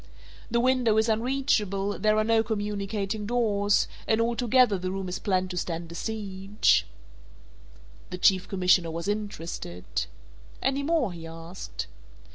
The window is unreachable, there are no communicating doors, and altogether the room is planned to stand a siege." The Chief Commissioner was interested. "Any more?" he asked.